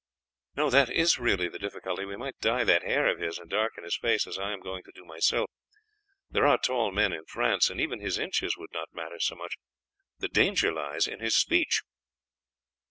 "No, that is really the difficulty. We might dye that hair of his and darken his face, as I am going to do myself. There are tall men in France, and even his inches would not matter so much; the danger lies in his speech."